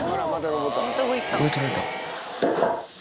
上取られた。